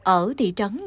ở thị trấn nhân tây